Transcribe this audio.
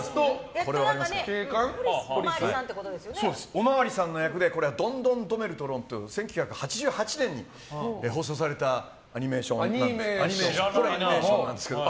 おまわりさんの役で「どんどんドメルとロン」という１９８８年に放送されたアニメーションなんですけど。